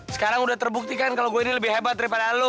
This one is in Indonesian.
sekarang udah terbuktikan kalau gue ini lebih hebat daripada lu